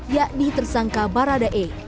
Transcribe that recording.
yakni tersangka baradae